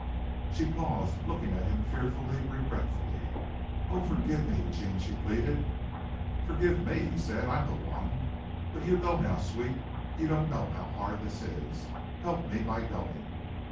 She paused, looking at him fearfully, regretfully. "Oh, forgive me, Eugene," she pleaded. "Forgive me," he said. "I'm the one. But you go now, sweet. You don't know how hard this is. Help me by going."